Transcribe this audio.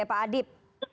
oke pak adip